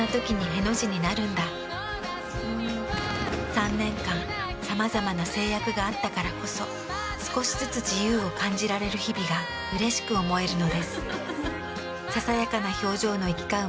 ３年間さまざまな制約があったからこそ少しずつ自由を感じられる日々がうれしく思えるのです。